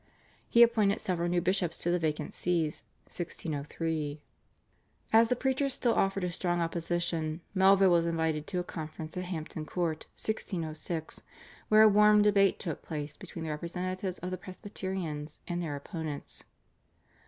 He appointed several new bishops to the vacant Sees (1603). As the preachers still offered a strong opposition Melville was invited to a conference at Hampton Court (1606) where a warm debate took place between the representatives of the Presbyterians and their opponents.